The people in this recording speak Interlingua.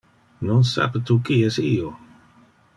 Non sape tu qui es io?